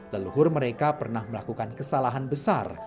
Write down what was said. leluhur mereka pernah melakukan kesalahan besar